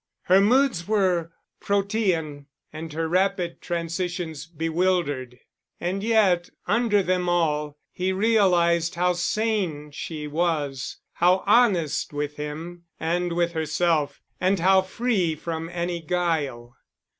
Her moods were Protean and her rapid transitions bewildered. And yet, under them all, he realized how sane she was, how honest with him and with herself and how free from any guile.